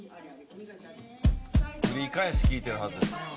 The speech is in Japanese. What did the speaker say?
繰り返し聴いてるはずです。